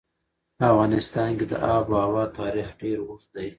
په افغانستان کې د آب وهوا تاریخ ډېر اوږد دی.